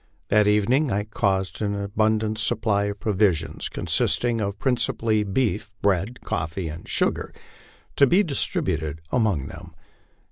That evening I caused an abundant supply of provisions, consisting principally of beef, bread, coffee, and sugar, to be dis tributed among them.